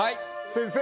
先生。